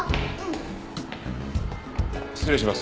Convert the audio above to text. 失礼します。